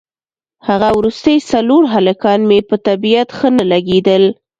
هغه وروستي څلور هلکان مې په طبیعت ښه نه لګېدل.